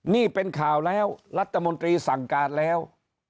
นี่เป็นข่าวแล้วรัฐมนตรีสั่งการแล้ว